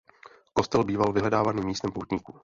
Kostel býval vyhledávaným místem poutníků.